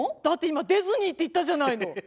だって今「デズニー」って言ったじゃないの。